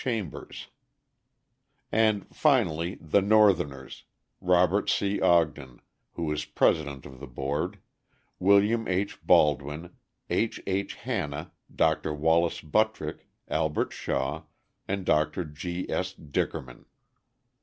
Chambers; and, finally, the Northerners Robert C. Ogden, who was president of the board, William H. Baldwin, H. H. Hanna, Dr. Wallace Buttrick, Albert Shaw, and Dr. G. S. Dickerman.